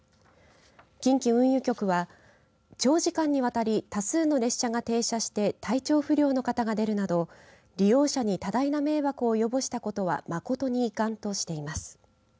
近畿運輸局は、長時間にわたり多数の列車が停車して体調不良の方が出るなど利用者に多大な迷惑を及ぼしたことは誠に遺憾としています。